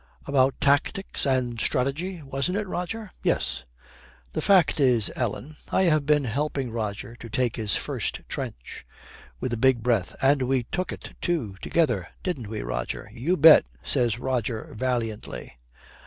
'About tactics and strategy, wasn't it, Roger?' 'Yes.' 'The fact is, Ellen, I have been helping Roger to take his first trench.' With a big breath, 'And we took it too, together, didn't we, Roger?' 'You bet,' says Roger valiantly.